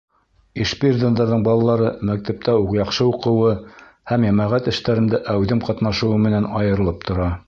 Ишбирҙиндарҙың балалары мәктәптә яҡшы уҡыуы һәм йәмәғәт эштәрендә әүҙем ҡатнашыуы менән айырылып тора.